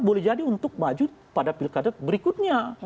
boleh jadi untuk maju pada pilkada berikutnya